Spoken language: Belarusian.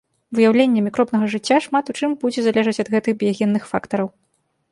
Выяўленне мікробнага жыцця шмат у чым будзе залежаць ад гэтых біягенных фактараў.